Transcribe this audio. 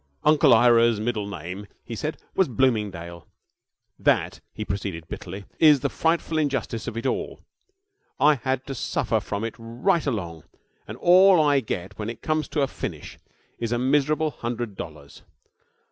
'Uncle Ira's middle name,' he said, 'was Bloomingdale. That,' he proceeded, bitterly, 'is the frightful injustice of it all. I had to suffer from it right along, and all I get, when it comes to a finish, is a miserable hundred dollars.